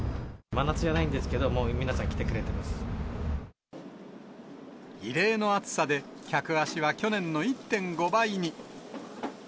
真夏じゃないんですけど、異例の暑さで、客足は去年の１．５倍に。